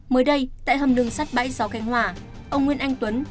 mới đây tại hầm đường sát bãi gió khánh hòa ông nguyên anh tuấn